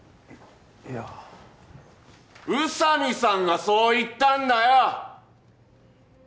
いや宇佐美さんがそう言ったんだよ！